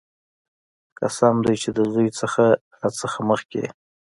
قسم دې چې د زوى نه راله مخكې يې.